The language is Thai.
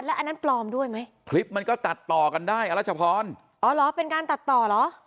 แล้วอันนั้นปลอมด้วยไหมคลิปมันก็ตัดต่อกันได้เอาล่ะชะพรเป็นการตัดต่อเหรอ